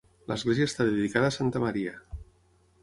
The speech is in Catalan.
L'església està dedicada a Santa Maria.